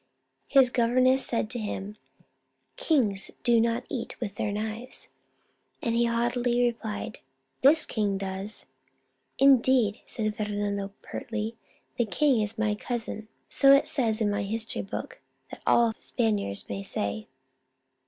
His governess said to him, c Kings do not eat 122 Our Little Spanish Cousin with their knives/ and he haughtily replied, ' This king does !'"" Indeed," said Fernando, pertly, " the king is my cousin, so it says in my history book that all Spaniards may say."